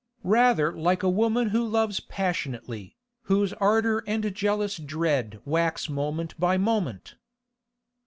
Rather like a woman who loves passionately, whose ardour and jealous dread wax moment by moment.